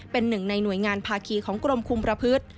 เป็นหนึ่งในหน่วยงานภาคีของกรมคุมประพฤติ